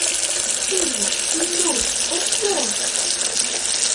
— Тузик, Индус, Ошйол!